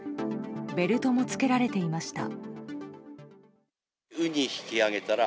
ベルトもつけられていました。